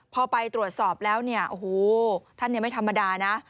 พอไปตรวจสอบแล้วท่านไม่ธรรมดานะ